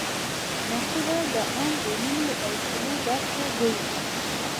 مقوله د عام ذهنونو او خولو برخه ګرځي